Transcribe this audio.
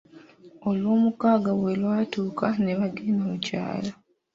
Olwomukaaga bwe lwatuuka ne bagenda mu kyalo.